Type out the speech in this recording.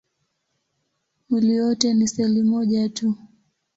Mwili wote ni seli moja tu.